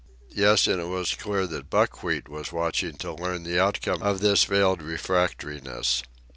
Yes, and it was clear that Buckwheat was watching to learn the outcome of this veiled refractoriness.